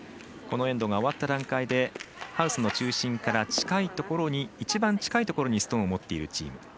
このエンドが終わった段階でハウスの中心から一番近いところにストーンを持っているチーム。